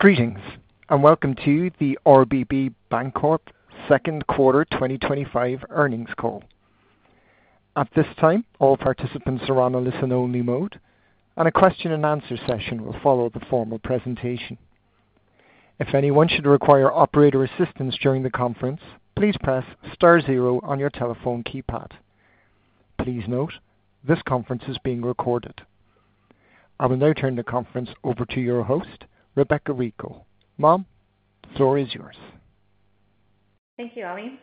Greetings and welcome to the RBB Bancorp second quarter 2025 earnings call. At this time, all participants are on a listen-only mode, and a question-and-answer session will follow the formal presentation. If anyone should require operator assistance during the conference, please press star zero on your telephone keypad. Please note this conference is being recorded. I will now turn the conference over to your host, Rebecca Rico. Ma'am, the floor is yours. Thank you, Ali.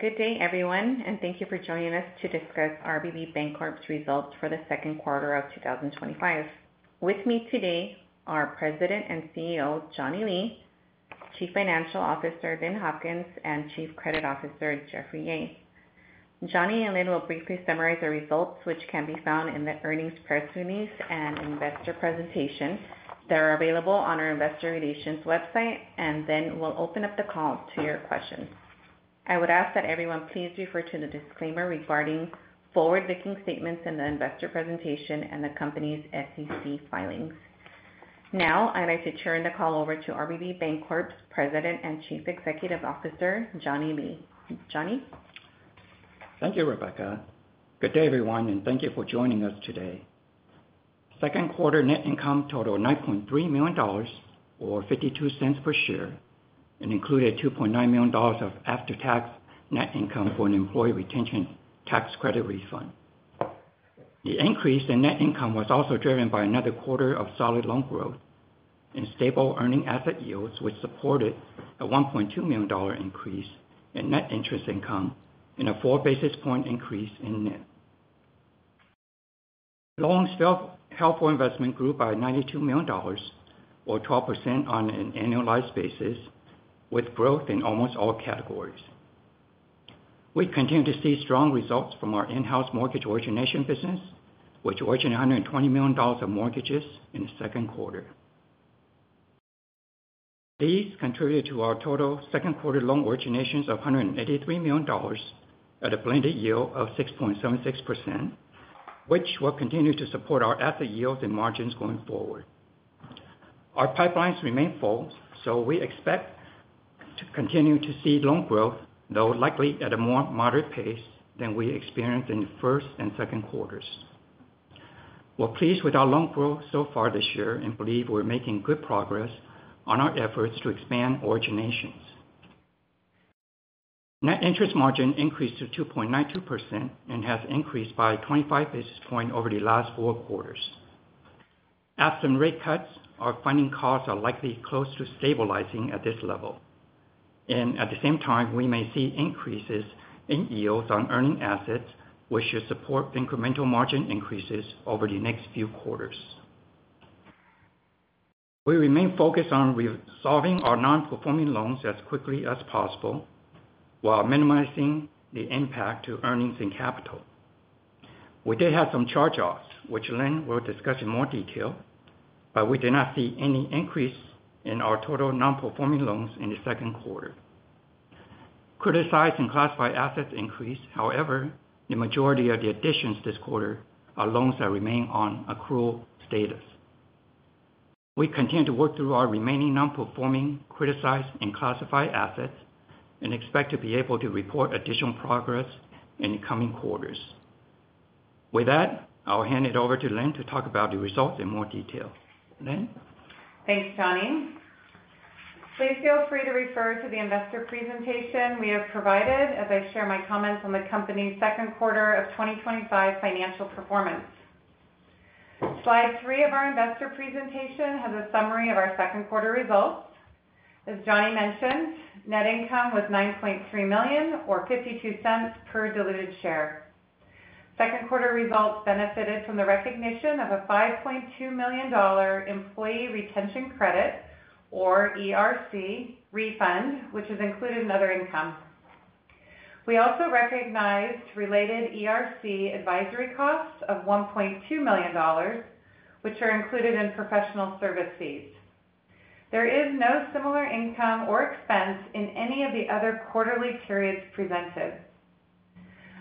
Good day, everyone, and thank you for joining us to discuss RBB Bancorp's results for the second quarter of 2025. With me today are President and CEO Johnny Lee, Chief Financial Officer Lynn Hopkins, and Chief Credit Officer Jeffrey Yeh. Johnny and Lynn will briefly summarize the results, which can be found in the earnings press release and investor presentation that are available on our Investor Relations website, and then we'll open up the call to your questions. I would ask that everyone please refer to the disclaimer regarding forward-looking statements in the investor presentation and the company's SEC filings. Now, I'd like to turn the call over to RBB Bancorp's President and Chief Executive Officer Johnny Lee. Johnny? Thank you, Rebecca. Good day, everyone, and thank you for joining us today. Second quarter net income totaled $9.3 million, or $0.52 per share, and included $2.9 million of after-tax net income for an employee retention tax credit refund. The increase in net income was also driven by another quarter of solid loan growth and stable earning asset yields, which supported a $1.2 million increase in net interest income and a four basis point increase in net. Loans helped our investment grow by $92 million, or 12% on an annualized basis, with growth in almost all categories. We continue to see strong results from our in-house mortgage origination business, which originated $120 million of mortgages in the second quarter. These contributed to our total second quarter loan originations of $183 million, at a blended yield of 6.76%, which will continue to support our asset yields and margins going forward. Our pipelines remain full, so we expect to continue to see loan growth, though likely at a more moderate pace than we experienced in the first and second quarters. We're pleased with our loan growth so far this year and believe we're making good progress on our efforts to expand originations. Net interest margin increased to 2.92% and has increased by 25 basis points over the last four quarters. After rate cuts, our funding costs are likely close to stabilizing at this level. At the same time, we may see increases in yields on earning assets, which should support incremental margin increases over the next few quarters. We remain focused on resolving our non-performing loans as quickly as possible while minimizing the impact to earnings and capital. We did have some charge-offs, which Lynn will discuss in more detail, but we did not see any increase in our total non-performing loans in the second quarter. Criticized and classified assets increased, however, the majority of the additions this quarter are loans that remain on accrual status. We continue to work through our remaining non-performing, criticized, and classified assets and expect to be able to report additional progress in the coming quarters. With that, I'll hand it over to Lynn to talk about the results in more detail. Lynn? Thanks, Johnny. Please feel free to refer to the investor presentation we have provided as I share my comments on the company's second quarter of 2025 financial performance. Slide three of our investor presentation has a summary of our second quarter results. As Johnny mentioned, net income was $9.3 million, or $0.52 per diluted share. Second quarter results benefited from the recognition of a $5.2 million employee retention credit, or ERC, refund, which is included in other income. We also recognized related ERC advisory costs of $1.2 million, which are included in professional service fees. There is no similar income or expense in any of the other quarterly periods presented.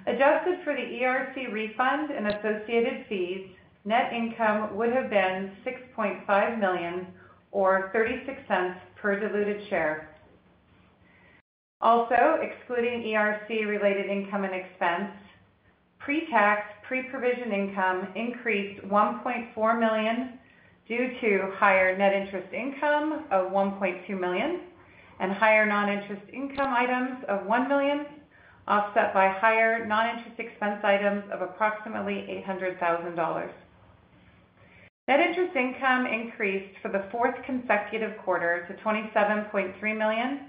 Adjusted for the ERC refund and associated fees, net income would have been $6.5 million, or $0.36 per diluted share. Also, excluding ERC-related income and expense, pre-tax, pre-provision income increased $1.4 million due to higher net interest income of $1.2 million and higher non-interest income items of $1 million, offset by higher non-interest expense items of approximately $800,000. Net interest income increased for the fourth consecutive quarter to $27.3 million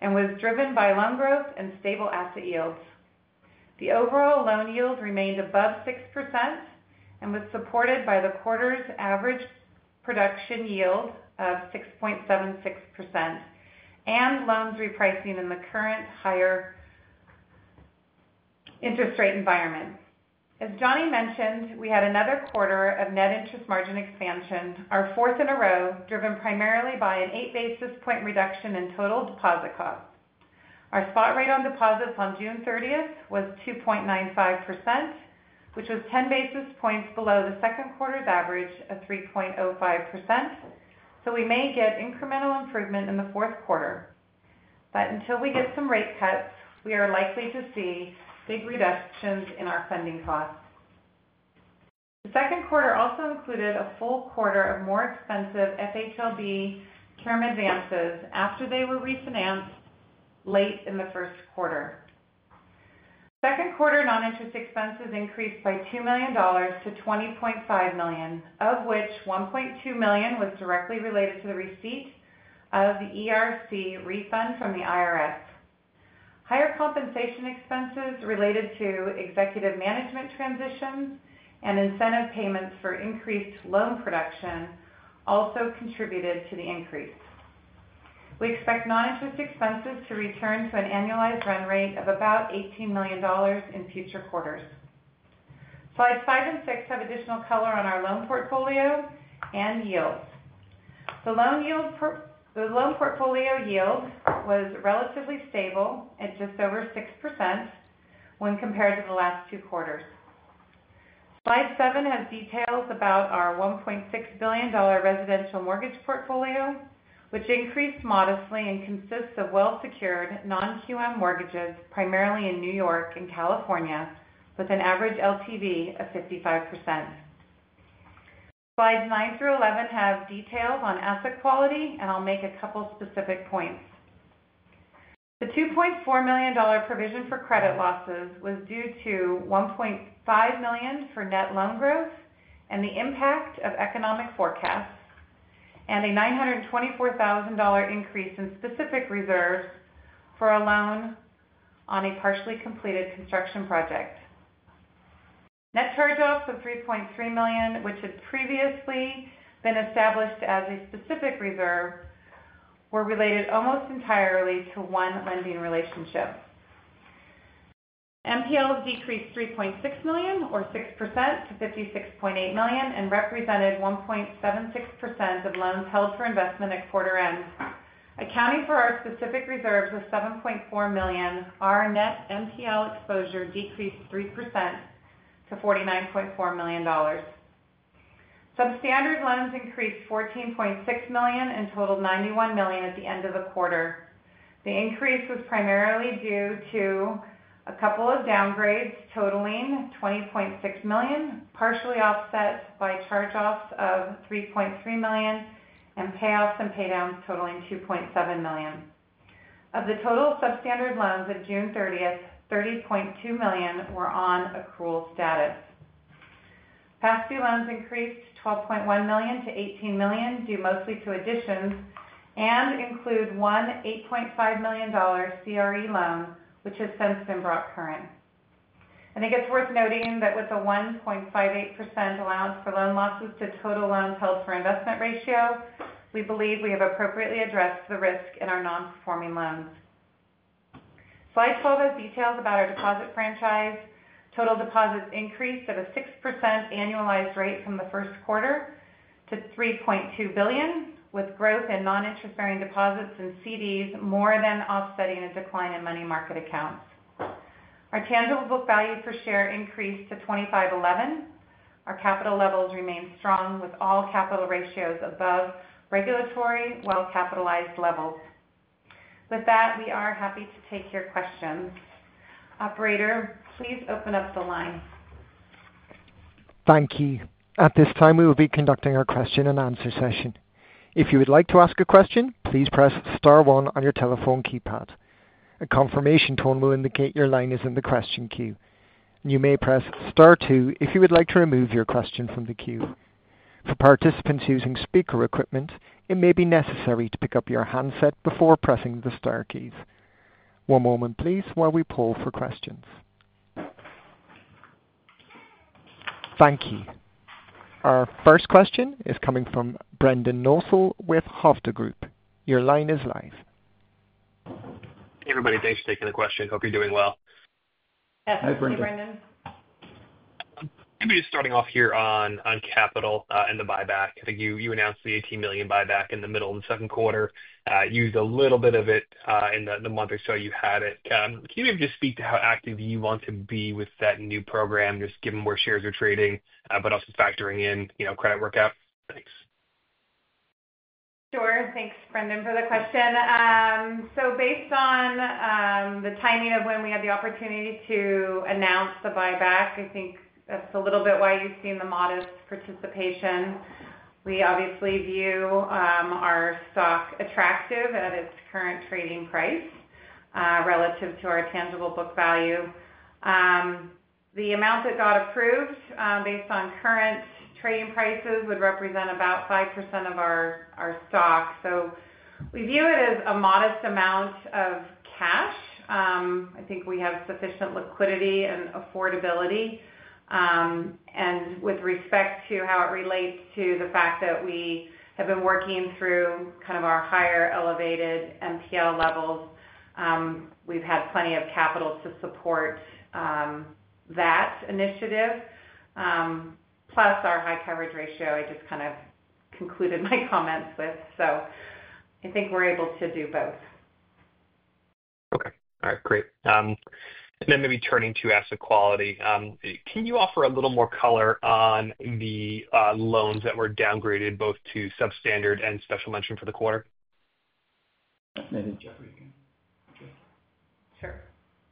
and was driven by loan growth and stable asset yields. The overall loan yield remained above 6% and was supported by the quarter's average production yield of 6.76% and loans repricing in the current higher interest rate environment. As Johnny mentioned, we had another quarter of net interest margin expansion, our fourth in a row, driven primarily by an eight basis point reduction in total deposit cost. Our spot rate on deposits on June 30th was 2.95%, which was 10 basis points below the second quarter's average of 3.05%, so we may get incremental improvement in the fourth quarter. Until we get some rate cuts, we are likely to see big reductions in our funding costs. The second quarter also included a full quarter of more expensive FHLB term advances after they were refinanced late in the first quarter. Second quarter non-interest expenses increased by $2 million-$20.5 million, of which $1.2 million was directly related to the receipt of the ERC refund from the IRS. Higher compensation expenses related to executive management transitions and incentive payments for increased loan production also contributed to the increase. We expect non-interest expenses to return to an annualized run rate of about $18 million in future quarters. Slides five and six have additional color on our loan portfolio and yields. The loan portfolio yield was relatively stable at just over 6% when compared to the last two quarters. Slide seven has details about our $1.6 billion residential mortgage portfolio, which increased modestly and consists of well-secured non-QM mortgages primarily in New York and California, with an average loan-to-value of 55%. Slides nine through 11 have details on asset quality, and I'll make a couple specific points. The $2.4 million provision for credit losses was due to $1.5 million for net loan growth and the impact of economic forecasts, and a $924,000 increase in specific reserves for a loan on a partially completed construction project. Net charge-offs of $3.3 million, which had previously been established as a specific reserve, were related almost entirely to one lending relationship. NPLs decreased $3.6 million, or 6%, to $56.8 million and represented 1.76% of loans held for investment at quarter end. Accounting for our specific reserves of $7.4 million, our net NPL exposure decreased 3% to $49.4 million. Substandard loans increased $14.6 million and totaled $91 million at the end of the quarter. The increase was primarily due to a couple of downgrades totaling $20.6 million, partially offset by charge-offs of $3.3 million, and payoffs and paydowns totaling $2.7 million. Of the total substandard loans on June 30, $30.2 million were on accrual status. Past due loans increased $12.1 million-$18 million, due mostly to additions, and include one $ 8.5 million CRE loan, which has since been brought current. It is worth noting that with the 1.58% allowance for loan losses to total loans held for investment ratio, we believe we have appropriately addressed the risk in our non-performing loans. Slide 12 has details about our deposit franchise. Total deposits increased at a 6% annualized rate from the first quarter to $3.2 billion, with growth in non-interest-bearing deposits and CDs more than offsetting a decline in money market accounts. Our tangible book value per share increased to $25.11. Our capital levels remain strong, with all capital ratios above regulatory, well-capitalized levels. With that, we are happy to take your question. Operator, please open up the line. Thank you. At this time, we will be conducting our question-and-answer session. If you would like to ask a question, please press star one on your telephone keypad. A confirmation tone will indicate your line is in the question queue. You may press star two if you would like to remove your question from the queue. For participants using speaker equipment, it may be necessary to pick up your handset before pressing the star keys. One moment, please, while we pull for questions. Thank you. Our first question is coming from Brendan Nosal with Hovde Group. Your line is live. Hey, everybody. Thanks for taking the question. Hope you're doing well. Yes, thank you, Brendan. I'm going to be starting off here on capital and the buyback. I think you announced the $18 million buyback in the middle of the second quarter. You used a little bit of it in the month or so you had it. Can you maybe just speak to how active you want to be with that new program, just given where shares are trading, but also factoring in, you know, credit workout? Thanks. Sure. Thanks, Brendan, for the question. Based on the timing of when we had the opportunity to announce the buyback, I think that's a little bit why you've seen the modest participation. We obviously view our stock attractive at its current trading price relative to our tangible book value. The amount that got approved based on current trading prices would represent about 5% of our stock. We view it as a modest amount of cash. I think we have sufficient liquidity and affordability. With respect to how it relates to the fact that we have been working through kind of our higher elevated NPL levels, we've had plenty of capital to support that initiative, plus our high coverage ratio I just kind of concluded my comments with. I think we're able to do both. Okay. All right. Great. Maybe turning to asset quality, can you offer a little more color on the loans that were downgraded both to substandard and special mention for the quarter? I think Jeffrey can. Sure.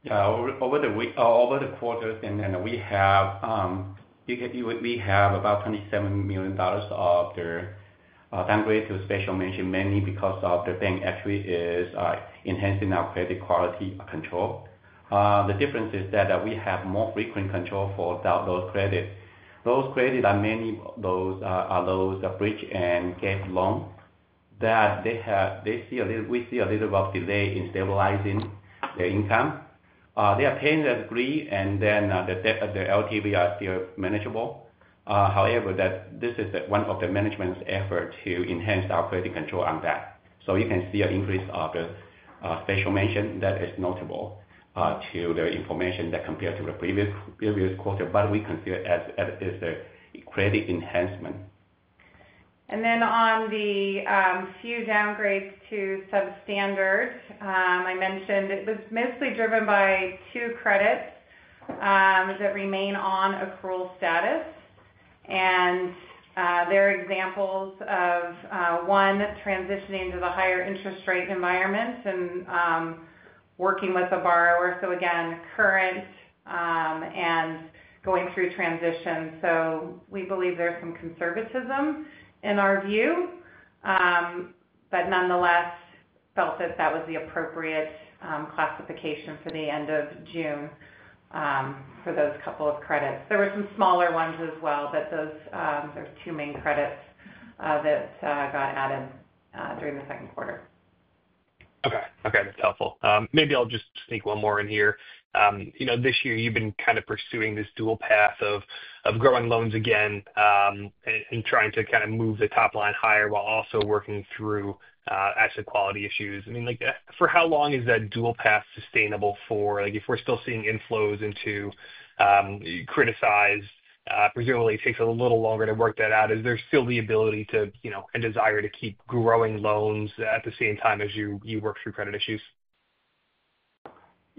Yeah. Over the week, over the quarter, we have about $27 million of the downgrade to special mention, mainly because the bank actually is enhancing our credit quality control. The difference is that we have more frequent control for those credit. Those credit are mainly those bridge and gate loans that they have, they see a little, we see a little bit of delay in stabilizing their income. They are paying as agreed, and then the loan-to-value are still manageable. However, this is one of the management's efforts to enhance our credit control on that. You can see an increase of the special mention that is notable to the information that compared to the previous quarter, but we consider it as a credit enhancement. On the few downgrades to substandard, I mentioned it was mostly driven by two credits that remain on accrual status. There are examples of one transitioning to the higher interest rate environments and working with a borrower. Again, current and going through transitions. We believe there's some conservatism in our view, but nonetheless, felt that that was the appropriate classification for the end of June for those couple of credits. There were some smaller ones as well, but there's two main credits that got added during the second quarter. Okay. That's helpful. Maybe I'll just sneak one more in here. You know, this year you've been kind of pursuing this dual path of growing loans again and trying to kind of move the top line higher while also working through asset quality issues. I mean, for how long is that dual path sustainable for? If we're still seeing inflows into criticized, presumably it takes a little longer to work that out. Is there still the ability to, you know, and desire to keep growing loans at the same time as you work through credit issues? Yeah.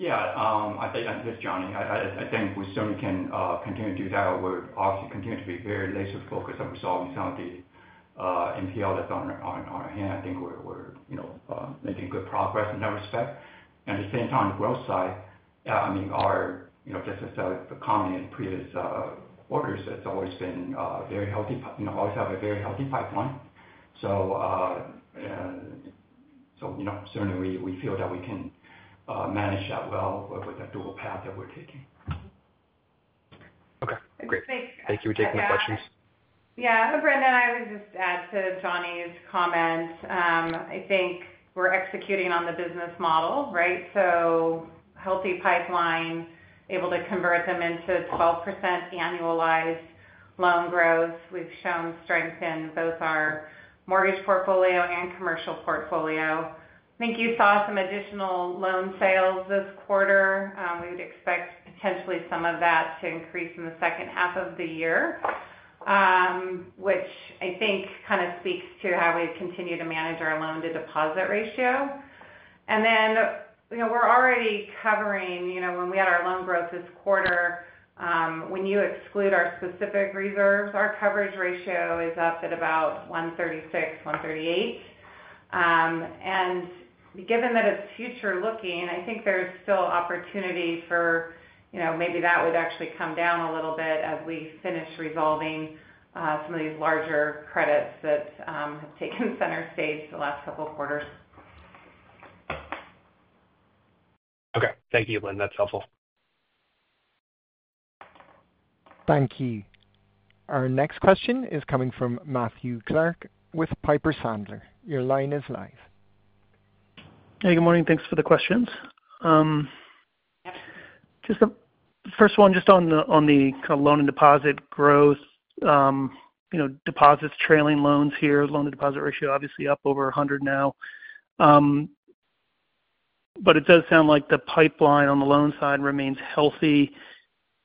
I think that's Johnny. I think we certainly can continue to do that. We're obviously continuing to be very laser-focused on resolving some of the NPL that's on our hand. I think we're making good progress in that respect. At the same time, growth side, I mean, just as the comment in previous quarters, it's always been very healthy, always have a very healthy pipeline. We certainly feel that we can manage that well, work with that dual path that we're taking. Okay. Great. Thanks. Thank you for taking the questions. Yeah. Brendan, I would just add to Johnny's comment. I think we're executing on the business model, right? Healthy pipeline, able to convert them into 12% annualized loan growth. We've shown strength in both our mortgage portfolio and commercial portfolio. I think you saw some additional loan sales this quarter. We would expect potentially some of that to increase in the second half of the year, which I think kind of speaks to how we continue to manage our loan-to-deposit ratio. We're already covering, you know, when we had our loan growth this quarter, when you exclude our specific reserves, our coverage ratio is up at about 136%, 138%. Given that it's future-looking, I think there's still opportunity for, you know, maybe that would actually come down a little bit as we finish resolving some of these larger credits that have taken center stage the last couple of quarters. Okay. Thank you, Lynn. That's helpful. Thank you. Our next question is coming from Matthew Clark with Piper Sandler. Your line is live. Hey, good morning. Thanks for the questions. The first one, just on the kind of loan-to-deposit growth. You know, deposits trailing loans here, loan-to-deposit ratio obviously up over 100% now. It does sound like the pipeline on the loan side remains healthy,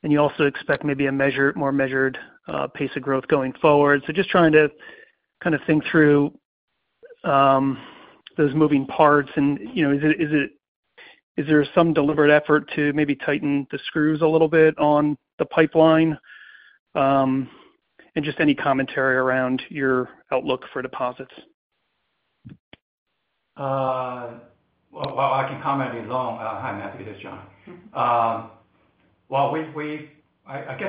and you also expect maybe a more measured pace of growth going forward. Just trying to kind of think through those moving parts, and is there some deliberate effort to maybe tighten the screws a little bit on the pipeline? Any commentary around your outlook for deposits? I can comment on the loan. Hi, Matthew. This is Johnny.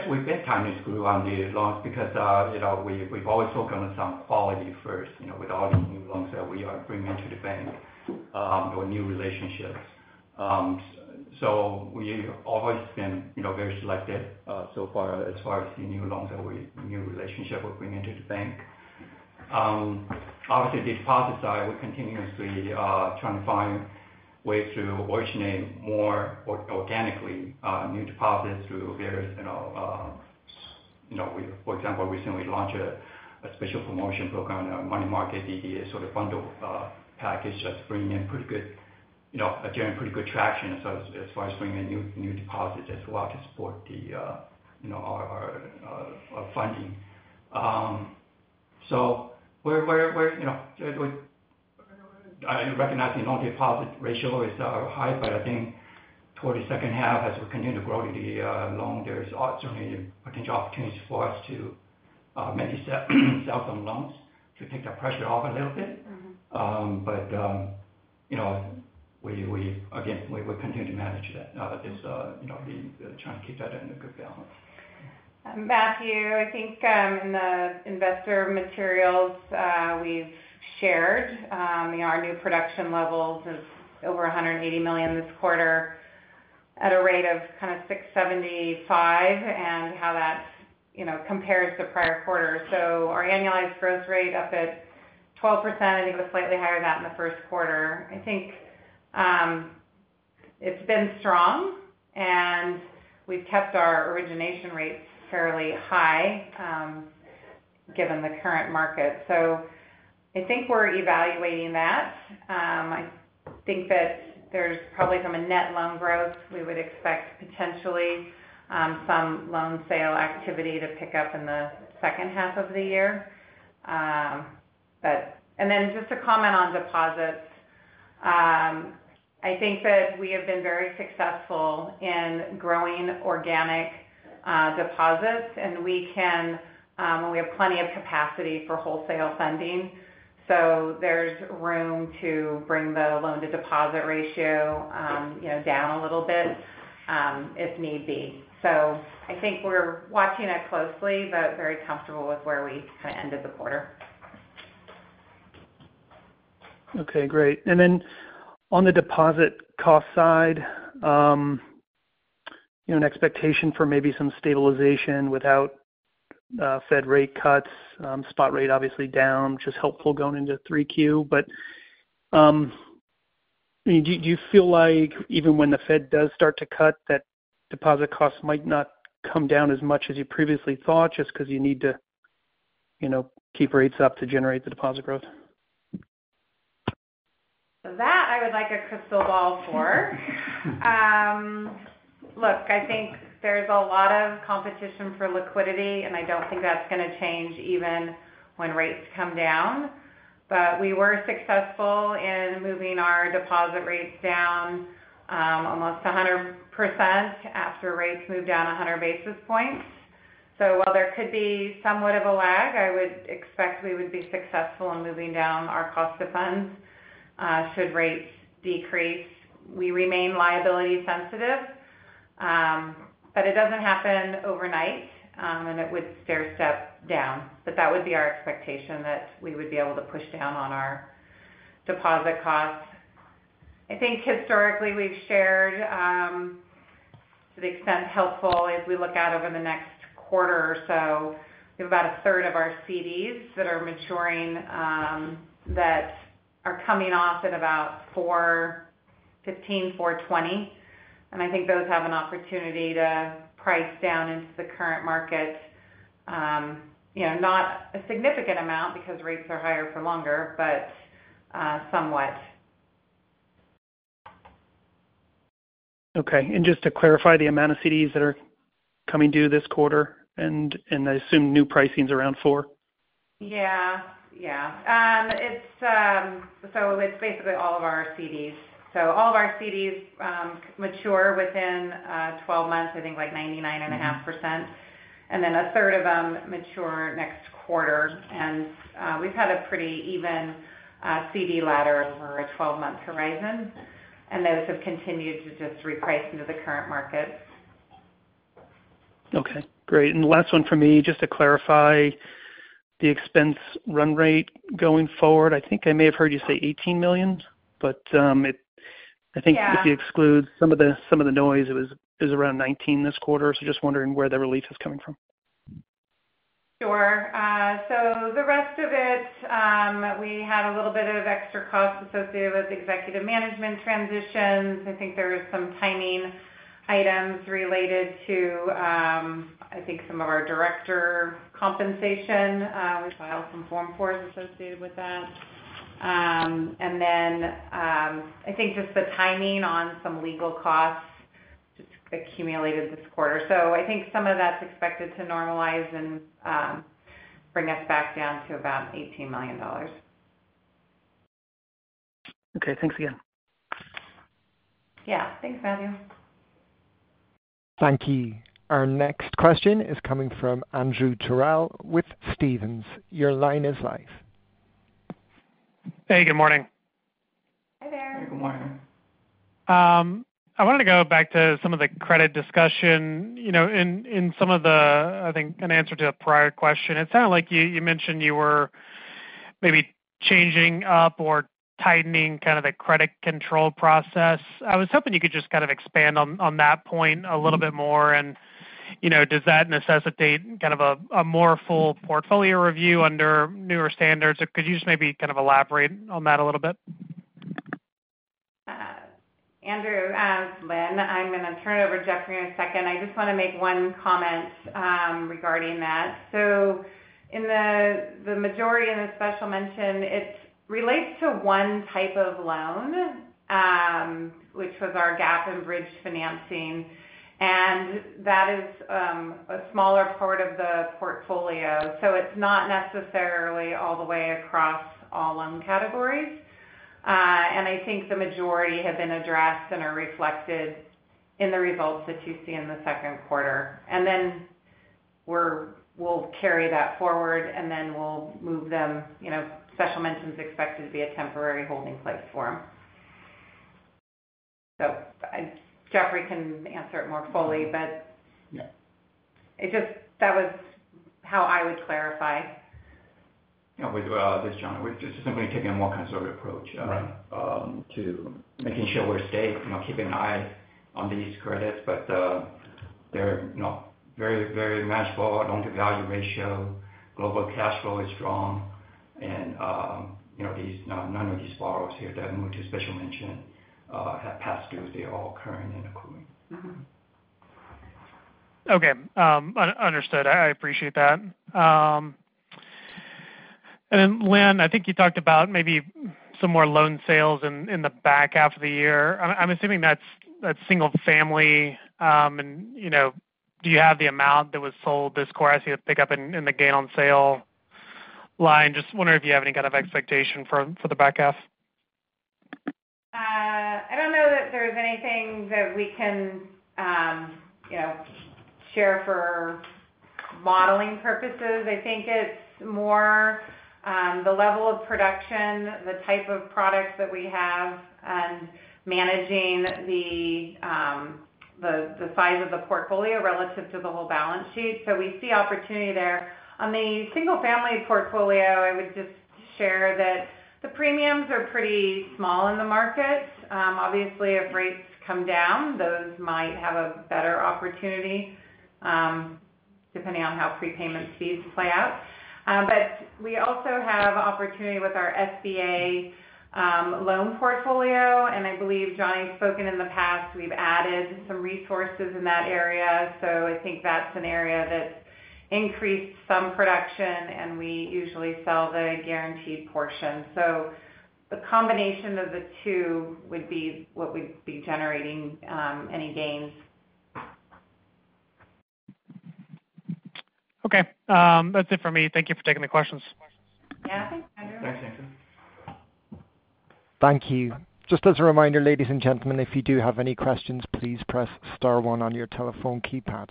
We've been tightening the screws on the loans because, you know, we've always focused on some quality first, you know, with all the new loans that we are bringing to the bank or new relationships. We always have been, you know, very selective so far as far as the new loans that we, new relationships we're bringing to the bank. Obviously, the deposit side, we're continuously trying to find ways to originate more organically new deposits through various, you know, for example, recently launched a special promotion program in our money market DDA, so the bundle package that's bringing in pretty good, you know, getting pretty good traction as far as bringing in new deposits as well to support the, you know, our funding. I recognize the loan-to-deposit ratio is high, but I think toward the second half, as we continue to grow the loan, there's certainly potential opportunities for us to maybe sell some loans to take that pressure off a little bit. We, again, will continue to manage that now that there's, you know, we're trying to keep that in a good balance. Matthew, I think in the investor materials, we've shared our new production levels of over $180 million this quarter at a rate of kind of $675 and how that compares to prior quarters. Our annualized growth rate up at 12%, I think it was slightly higher than that in the first quarter. I think it's been strong, and we've kept our origination rates fairly high given the current market. I think we're evaluating that. I think that there's probably from a net loan growth, we would expect potentially some loan sale activity to pick up in the second half of the year. Just to comment on deposits, I think that we have been very successful in growing organic deposits, and we can, and we have plenty of capacity for wholesale funding. There's room to bring the loan-to-deposit ratio down a little bit if need be. I think we're watching it closely, but very comfortable with where we kind of ended the quarter. Okay. Great. On the deposit cost side, you know, an expectation for maybe some stabilization without Fed rate cuts, spot rate obviously down, which is helpful going into 3Q. Do you feel like even when the Fed does start to cut, that deposit costs might not come down as much as you previously thought just because you need to, you know, keep rates up to generate the deposit growth? That I would like a crystal ball for. Look, I think there's a lot of competition for liquidity, and I don't think that's going to change even when rates come down. We were successful in moving our deposit rates down almost 100% after rates moved down 100 basis points. While there could be somewhat of a lag, I would expect we would be successful in moving down our cost of funds should rates decrease. We remain liability-sensitive, but it doesn't happen overnight, and it would stair-step down. That would be our expectation that we would be able to push down on our deposit costs. I think historically we've shared to the extent helpful if we look out over the next quarter or so, we have about a third of our CDs that are maturing that are coming off at about 4.15%, 4.20%. I think those have an opportunity to price down into the current market, not a significant amount because rates are higher for longer, but somewhat. Okay. Just to clarify, the amount of CDs that are coming due this quarter, I assume new pricing is around 4%? Yeah. It's basically all of our CDs. All of our CDs mature within 12 months, I think like 99.5%. A third of them mature next quarter. We've had a pretty even CD ladder over a 12-month horizon, and those have continued to just reprice into the current market. Okay. Great. The last one for me, just to clarify, the expense run rate going forward, I think I may have heard you say $18 million, but I think if you exclude some of the noise, it was around $19 million this quarter. Just wondering where the relief is coming from. Sure. The rest of it, we had a little bit of extra costs associated with executive management transitions. I think there were some timing items related to, I think, some of our director compensation. We filed some forms associated with that. I think just the timing on some legal costs just accumulated this quarter. I think some of that's expected to normalize and bring us back down to about $18 million. Okay, thanks again. Yeah, thanks, Matthew. Thank you. Our next question is coming from Andrew Terrell with Stephens. Your line is live. Hey, good morning. Good morning. I wanted to go back to some of the credit discussion in, I think, an answer to a prior question. It sounded like you mentioned you were maybe changing up or tightening kind of the credit control process. I was hoping you could just expand on that point a little bit more. Does that necessitate kind of a more full portfolio review under newer standards, or could you just maybe elaborate on that a little bit? Andrew, Lynn, I'm going to turn it over to Jeffrey in a second. I just want to make one comment regarding that. In the majority and the special mention, it relates to one type of loan, which was our gap and bridge financing. That is a smaller part of the portfolio. It's not necessarily all the way across all loan categories. I think the majority have been addressed and are reflected in the results that you see in the second quarter. We'll carry that forward, and we'll move them. Special mentions are expected to be a temporary holding platform. Jeffrey can answer it more fully, but yeah, that was how I would clarify. Yeah, this is Johnny. We're just simply taking a more conservative approach to making sure we're safe, you know, keeping an eye on these credits, but they're very, very manageable. Loan-to-value ratio, global cash flow is strong. You know, none of these borrowers here that move to special mention have past due. They're all current and accruing. Okay. Understood. I appreciate that. Lynn, I think you talked about maybe some more loan sales in the back half of the year. I'm assuming that's single family. Do you have the amount that was sold this quarter? I see a pickup in the gain-on-sale line. Just wondering if you have any kind of expectation for the back half. I don't know that there's anything that we can share for modeling purposes. I think it's more the level of production, the type of product that we have, and managing the size of the portfolio relative to the whole balance sheet. We see opportunity there. On the single-family portfolio, I would just share that the premiums are pretty small in the market. Obviously, if rates come down, those might have a better opportunity depending on how prepayment speeds play out. We also have opportunity with our SBA loan portfolio. I believe Johnny's spoken in the past, we've added some resources in that area. I think that's an area that's increased some production, and we usually sell the guaranteed portion. A combination of the two would be what would be generating any gains. Okay, that's it for me. Thank you for taking the questions. Yeah. Thanks, Andrew. Thanks you. Thank you. Just as a reminder, ladies and gentlemen, if you do have any questions, please press star one on your telephone keypad.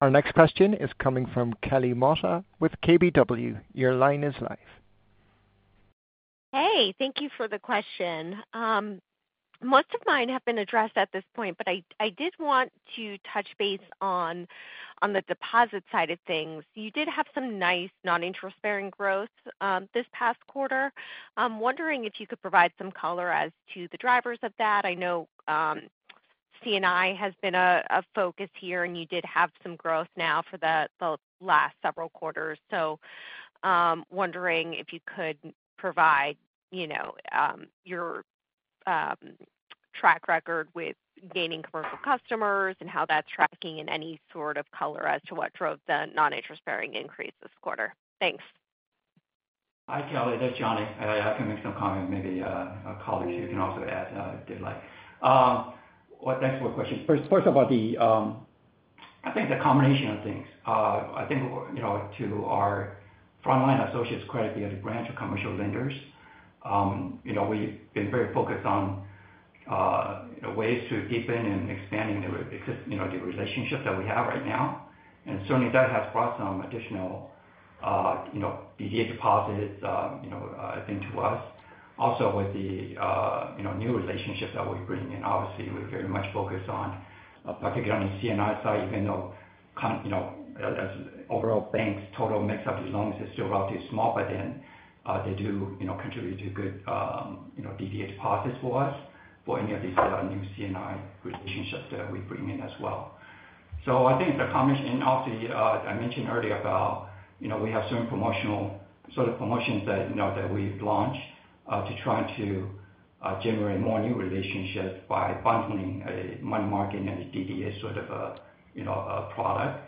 Our next question is coming from Kelly Motta with KBW. Your line is live. Thank you for the question. Most of mine have been addressed at this point, but I did want to touch base on the deposit side of things. You did have some nice non-interest-bearing growth this past quarter. I'm wondering if you could provide some color as to the drivers of that. I know CNI has been a focus here, and you did have some growth now for the last several quarters. I'm wondering if you could provide your track record with gaining commercial customers and how that's tracking and any sort of color as to what drove the non-interest-bearing increase this quarter. Thanks. Hi, Kelly. That's Johnny. I can make some comments. Maybe colleagues here can also add if they'd like. Thanks for the question. First of all, I think it's a combination of things. I think, you know, to our frontline associates' credit via the branch of commercial lenders, we've been very focused on ways to deepen and expand the relationships that we have right now. Certainly, that has brought some additional DDA deposits, I think, to us. Also, with the new relationships that we're bringing in, obviously, we're very much focused particularly on the CNI side, even though as overall banks' total mix of these loans is still relatively small, but then they do contribute to good DDA deposits for us for any of these new CNI relationships that we bring in as well. I think the combination, and obviously, I mentioned earlier about, you know, we have certain promotional sort of promotions that we've launched to try to generate more new relationships by bundling money market and the DDA sort of a product.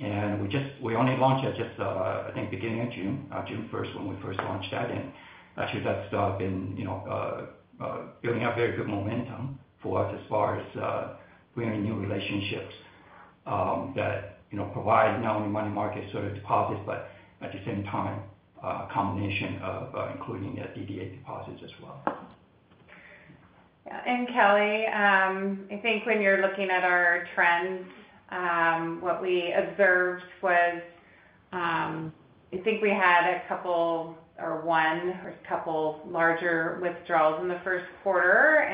We only launched it just, I think, beginning of June, June 1st, when we first launched that in. Actually, that's been building up very good momentum for us as far as bringing new relationships that provide not only money market deposits, but at the same time, a combination of including the DDA deposits as well. Yeah. Kelly, I think when you're looking at our trends, what we observed was I think we had a couple or one or a couple larger withdrawals in the first quarter.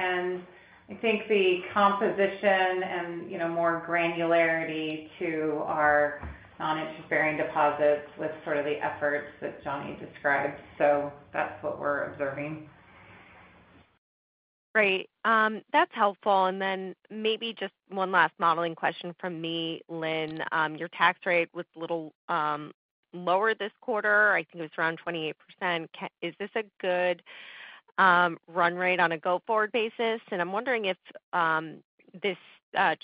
I think the composition and, you know, more granularity to our non-interest-bearing deposits with the efforts that Johnny described. That's what we're observing. Great. That's helpful. Maybe just one last modeling question from me, Lynn. Your tax rate was a little lower this quarter. I think it was around 28%. Is this a good run rate on a go-forward basis? I'm wondering if this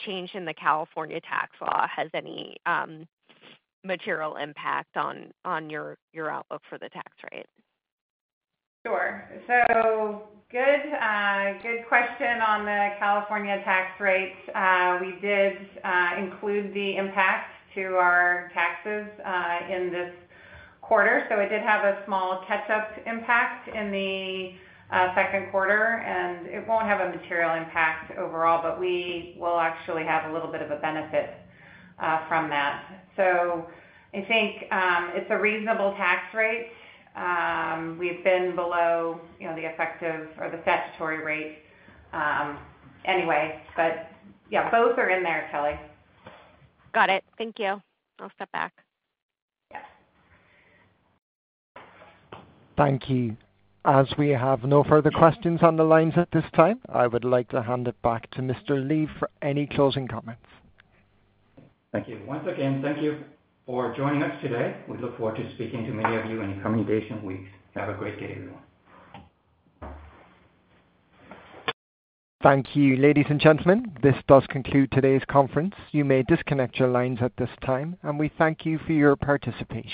change in the California tax law has any material impact on your outlook for the tax rate. Good question on the California tax rates. We did include the impact to our taxes in this quarter. It did have a small catch-up impact in the second quarter, and it won't have a material impact overall. We will actually have a little bit of a benefit from that. I think it's a reasonable tax rate. We've been below, you know, the effective or the statutory rate anyway. Both are in there, Kelly. Got it. Thank you. I'll step back. Yeah. Thank you. As we have no further questions on the lines at this time, I would like to hand it back to Mr. Lee for any closing comments. Thank you. Once again, thank you for joining us today. We look forward to speaking to many of you in the coming days and weeks. Have a great day. Thank you, ladies and gentlemen. This does conclude today's conference. You may disconnect your lines at this time, and we thank you for your participation.